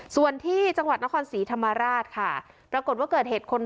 ส่วนที่จังหวัดนครศรีธรรมราชค่ะปรากฏว่าเกิดเหตุคน